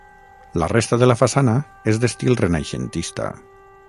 La resta de la façana és d'estil renaixentista.